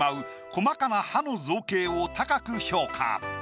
細かな歯の造形を高く評価。